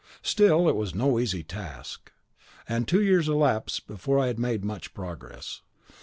Still it was no easy task, and two years elapsed before I had made much progress.